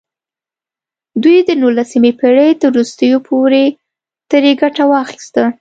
دوی د نولسمې پېړۍ تر وروستیو پورې ترې ګټه وانخیسته.